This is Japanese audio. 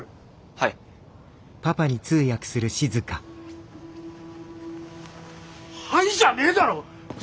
「はい」じゃねぇだろ